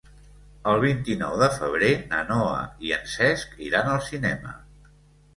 El vint-i-nou de febrer na Noa i en Cesc iran al cinema.